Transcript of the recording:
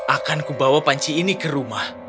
akanku bawa panci ini ke rumah